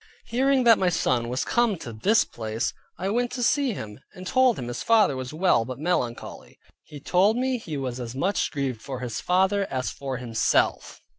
Hearing that my son was come to this place, I went to see him, and told him his father was well, but melancholy. He told me he was as much grieved for his father as for himself.